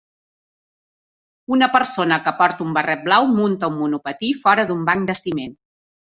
Una persona que porta un barret blau munta un monopatí fora d'un banc de ciment.